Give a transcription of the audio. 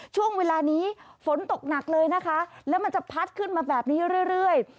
ช่วงเวลานี้ฝนตกหนักเลยนะคะแล้วมันจะพัดขึ้นมาแบบนี้เรื่อย